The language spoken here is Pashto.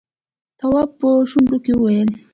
تواب په شونډو کې وويل: